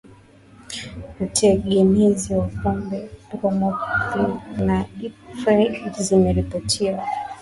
utegemezi wa pombe Bromokriptini na desipramini zimeripotiwa